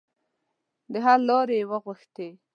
د حل لارې یې وغوښتې.